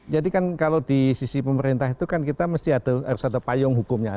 jadi kan kalau di sisi pemerintah itu kan kita mesti harus ada payung hukumnya